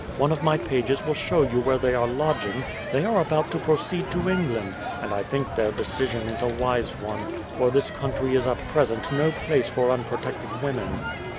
One of my pages will show you where they are lodging. They are about to proceed to England, and I think their decision is a wise one, for this country is at present no place for unprotected women."